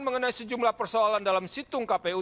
mengenai sejumlah persoalan dalam situng kpu